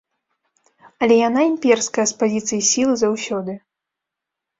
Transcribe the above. Але яна імперская, з пазіцыі сілы заўсёды.